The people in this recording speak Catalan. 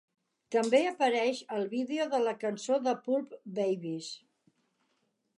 També apareix al vídeo de la cançó de Pulp "Babies".